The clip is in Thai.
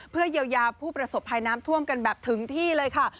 เพื่อเยียวยาผู้ประสบภัยน้ำท่วมกันแบบถึงที่เลยค่ะ